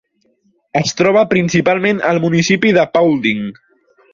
Es troba principalment al municipi de Paulding.